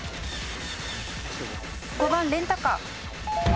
５番レンタカー。